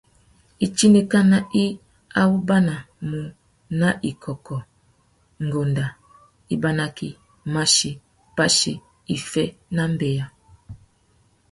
Itindikana i awubanamú na ikôkô, ngunga, ibanakí, machí, pachí, iffê na mbeya.